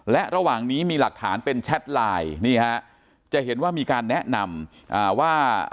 และระหว่างนี้มีหลักฐานเป็นแชทไลน์นี่ฮะจะเห็นว่ามีการแนะนำว่า